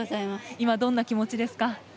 今、どんな気持ちですか。